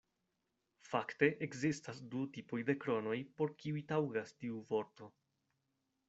Fakte ekzistas du tipoj de kronoj, por kiuj taŭgas tiu vorto.